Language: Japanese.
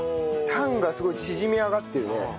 タンがすごい縮み上がってるね。